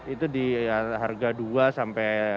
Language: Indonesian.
itu di harga dua empat m